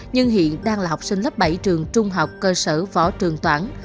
nhưng hiện đang là học sinh lớp bảy trường trung học cơ sở phó trường toảng